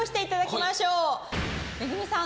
めぐみさん